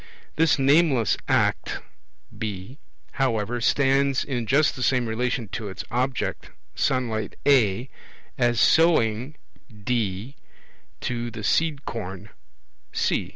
This nameless act (B), however, stands in just the same relation to its object, sunlight (A), as sowing (D) to the seed corn (C).